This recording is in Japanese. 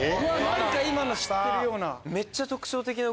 今の知ってるような。